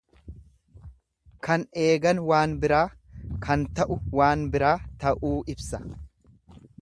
Kan eegan waan biraa kan ta'u waan biraa tauu ibsa.